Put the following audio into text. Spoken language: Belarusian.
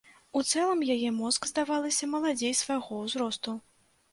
У цэлым, яе мозг, здавалася маладзей свайго ўзросту.